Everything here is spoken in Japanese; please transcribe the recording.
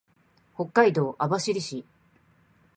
北海道網走市